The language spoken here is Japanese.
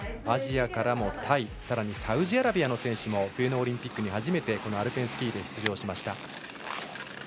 アジアからもタイさらにサウジアラビアの選手も冬のオリンピックに初めてアルペンスキーで出場しました。